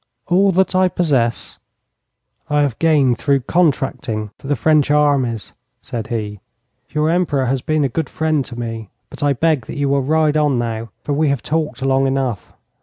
'All that I possess I have gained through contracting for the French armies,' said he. 'Your Emperor has been a good friend to me. But I beg that you will ride on now, for we have talked long enough.